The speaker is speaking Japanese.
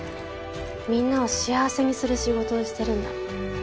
みんなを幸せにする仕事をしてるんだ」